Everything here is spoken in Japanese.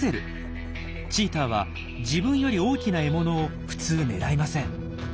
チーターは自分より大きな獲物を普通狙いません。